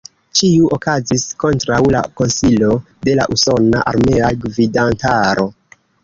Ĉio okazis kontraŭ la konsilo de la usona armea gvidantaro.